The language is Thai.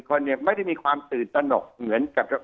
คนเนี่ยไม่ได้มีความตื่นตนกเหมือนกับ